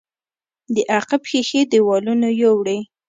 د عقب ښيښې دېوالونو يوړې.